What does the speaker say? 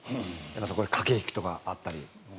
駆け引きとかあったり。